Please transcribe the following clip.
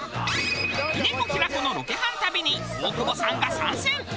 峰子平子のロケハン旅に大久保さんが参戦！